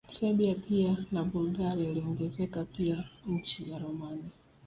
Serbia pia na Bulgaria iliongezeka pia nchi ya Romania